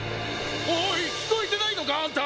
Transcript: おい聞こえてないのかあんた！